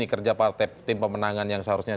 kerja partai tim pemenangan yang seharusnya